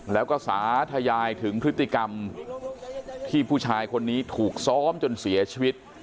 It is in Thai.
แล้วก็สาธยายถึงพฤติกรรมที่ผู้ชายคนนี้ถูกซ้อมจนเสียชีวิต